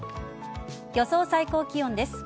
予想最高気温です。